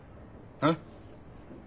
えっ？